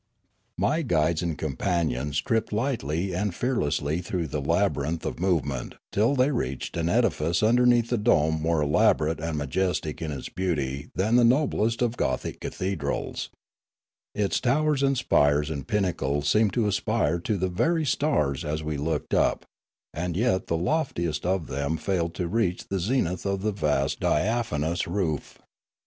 My guides and companions tripped lightly and fear lessly through the labyrinth of movement till they reached an edifice underneath the dome more elaborate and majestic in its beauty than the noblest of Gothic cathedrals; its towers and spires and pinnacles seemed to aspire to the very stars as we looked up, and yet the loftiest of them failed to reach the zenith of the vast diaphanous roof.